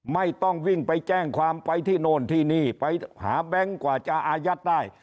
ไม่ต้องวิ่งไปแจ้งความไปที่โน่นที่นี่ไปหาแบงค์กว่าจะอายัดได้